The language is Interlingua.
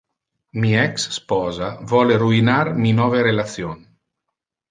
Mi ex-sposa vole ruinar mi nove relation.